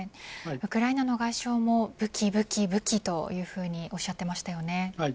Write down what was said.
ウクライナの外相も武器、武器、武器とおっしゃっていましたよね。